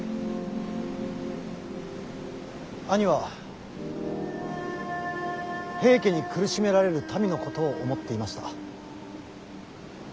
兄は平家に苦しめられる民のことを思っていました。